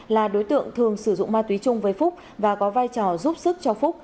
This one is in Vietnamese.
là đối tượng thường sử dụng ma túy chung với phúc và có vai trò giúp sức cho phúc